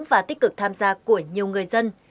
và tích cực tham gia của nhiều người dân